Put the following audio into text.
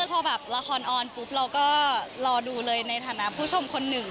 พอแบบละครออนปุ๊บเราก็รอดูเลยในฐานะผู้ชมคนหนึ่ง